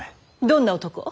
どんな男。